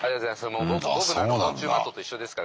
もう僕なんて昆虫マットと一緒ですから。